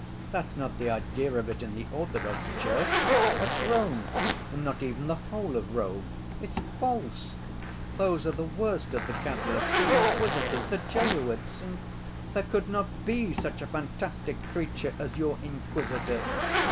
That's not the idea of it in the Orthodox Church.... That's Rome, and not even the whole of Rome, it's false—those are the worst of the Catholics, the Inquisitors, the Jesuits!... And there could not be such a fantastic creature as your Inquisitor.